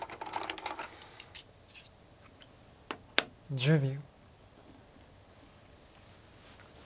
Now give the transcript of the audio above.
１０秒。